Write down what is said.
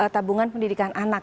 tabungan pendidikan anak